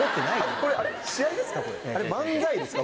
これ漫才ですか？